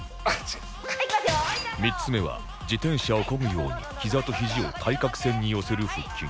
３つ目は自転車をこぐように膝と肘を対角線に寄せる腹筋